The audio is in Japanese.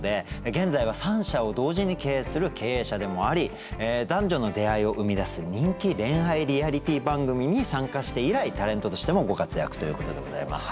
現在は３社を同時に経営する経営者でもあり男女の出会いを生み出す人気恋愛リアリティー番組に参加して以来タレントとしてもご活躍ということでございます。